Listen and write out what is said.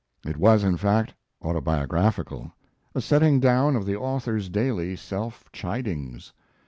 It was, in fact, autobiographical, a setting down of the author's daily self chidings.